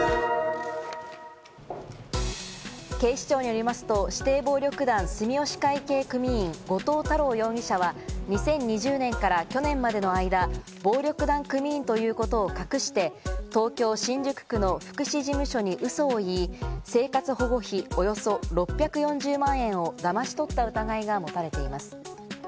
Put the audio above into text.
警視庁によりますと、指定暴力団・住吉会系組員、後藤太郎容疑者は２０２０年から去年までの間、暴力団組員ということを隠して、東京・新宿区の福祉事務所にウソを言い、生活保護費およそ６４０万円をだまし取った疑いが持たれています。